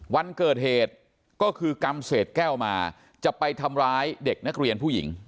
วันเกิดเหตุก็คือกำเศษแก้วมาจะไปทำร้ายเด็กนักเรียนผู้หญิง